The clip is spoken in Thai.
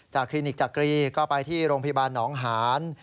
คลินิกจักรีก็ไปที่โรงพยาบาลหนองหาน